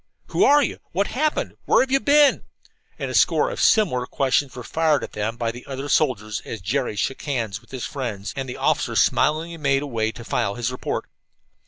"Who are you?" "What happened?" "Where have you been?" and a score of similar questions were fired at them by the other soldiers as Jerry shook hands with his friends, and the officer smilingly made away to file his report.